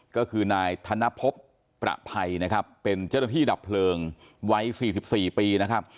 ก็คือนายธนพพระภัยเป็นเจ้าหน้าที่ดับเพลิงไว้๔๔ปี